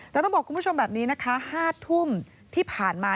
แต่ต้องบอกคุณผู้ชมแบบนี้นะคะ๕ทุ่มที่ผ่านมา